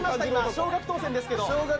少額当選ですけど。